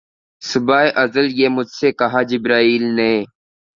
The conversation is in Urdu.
صبح ازل یہ مجھ سے کہا جبرئیل نے